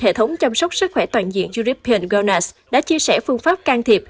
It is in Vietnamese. hệ thống chăm sóc sức khỏe toàn diện european wellness đã chia sẻ phương pháp can thiệp